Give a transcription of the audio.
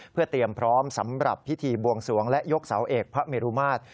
เพื่อเตรียมพร้อมสำหรับพิธีบวงสวงและยกเสาเอกพระเมรุมาตร